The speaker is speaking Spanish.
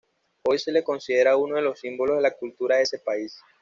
Hoy se la considera uno de los símbolos de la cultura de ese país.